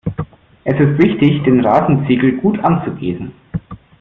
Es ist wichtig, den Rasenziegel gut anzugießen.